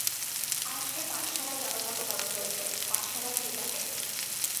আজ সে পাঠশালায় যাবার মত বড় হয়েছে, পাঠশালায় সে যাবে।